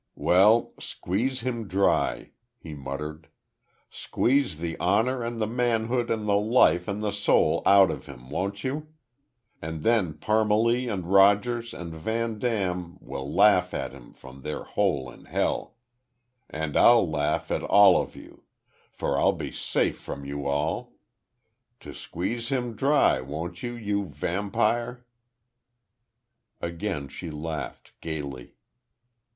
"Well, squeeze him dry," he muttered. "Squeeze the honor and the manhood and the life and the soul out of him, won't you? And then Parmalee, and Rogers, and Van Dam will laugh at him from their hole in hell. And I'll laugh at all of you; for I'll be safe from you all. So squeeze him dry, won't you, you Vampire!" Again she laughed, gaily.